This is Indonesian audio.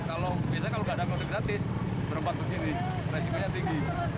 kalau kita kalau gak ada mudik gratis berempat begini resikonya tinggi